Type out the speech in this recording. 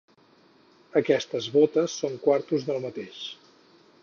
aquestes botes dos quartos del mateix.